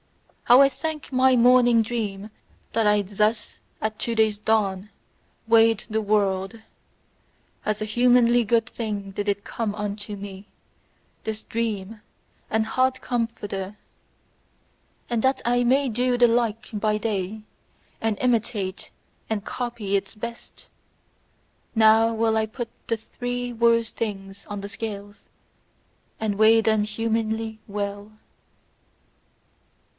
How I thank my morning dream that I thus at to day's dawn, weighed the world! As a humanly good thing did it come unto me, this dream and heart comforter! And that I may do the like by day, and imitate and copy its best, now will I put the three worst things on the scales, and weigh them humanly well.